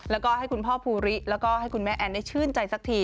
แล้วก็ให้คุณพ่อภูริแล้วก็ให้คุณแม่แอนได้ชื่นใจสักที